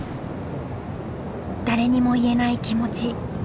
誰にも言えない気持ち。